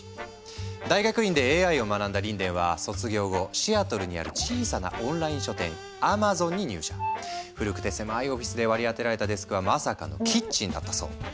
大学院でＡＩを学んだリンデンは卒業後古くて狭いオフィスで割り当てられたデスクはまさかのキッチンだったそう。